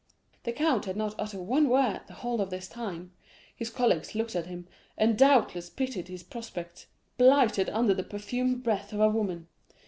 "The count had not uttered one word the whole of this time. His colleagues looked at him, and doubtless pitied his prospects, blighted under the perfumed breath of a woman.